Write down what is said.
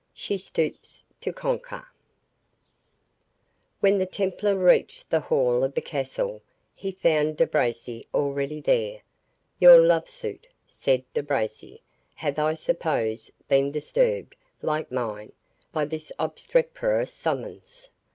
SHE STOOPS TO CONQUER When the Templar reached the hall of the castle, he found De Bracy already there. "Your love suit," said De Bracy, "hath, I suppose, been disturbed, like mine, by this obstreperous summons.